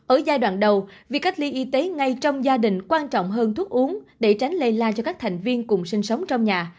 ở giai đoạn đầu việc cách ly y tế ngay trong gia đình quan trọng hơn thuốc uống để tránh lây la cho các thành viên cùng sinh sống trong nhà